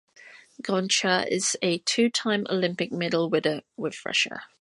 Gonchar is a two-time Olympic medal-winner with Russia.